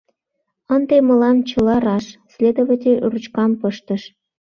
«Ынде мылам чыла раш! — следователь ручкам пыштыш.